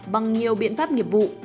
bằng nhiều biện pháp nghiệp vụ